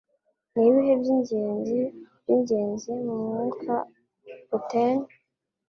Nibihe Byingenzi Byingenzi Mumwuka, Poteen?